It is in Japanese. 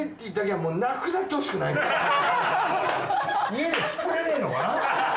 家で作れねえのかな？